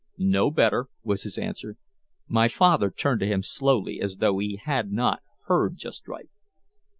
"No better," was his answer. My father turned to him slowly as though he had not heard just right.